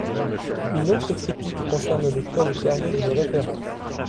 Une autre critique concerne le choix des périodes de référence.